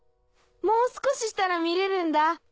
もう少ししたら見れるんだ。